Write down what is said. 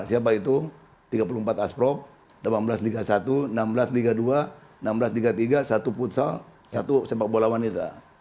siapa itu tiga puluh empat asprop seribu delapan ratus tiga puluh satu seribu enam ratus tiga puluh dua seribu enam ratus tiga puluh tiga satu futsal satu sepak bola wanita